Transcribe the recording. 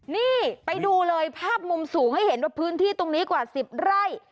นี่ไปดูเลยภาพมุมสูงให้เห็นว่าพื้นที่ตรงนี้กว่า๑๐ไร่